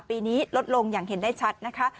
ปีนี้ลดลงอย่างเห็นได้ชัดนะคะ